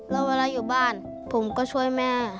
แล้วเวลาอยู่บ้านผมก็ช่วยแม่